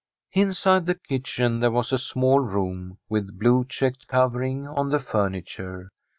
Inside the kitchen there was a small room, with blue checked covering on the furniture.